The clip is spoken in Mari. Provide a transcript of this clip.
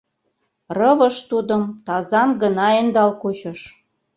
Рывыж тудым тазан гына ӧндал кучыш.